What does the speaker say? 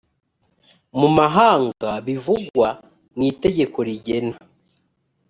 mu mahanga bivugwa mu itegeko rigena